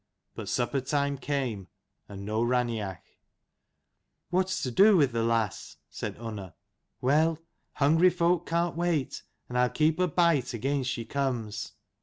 But supper time came, and no Raineach. " What's to do with the lass ?" said Unn. " Well, hungry folk can't wait, and I'll keep a bite against she comes."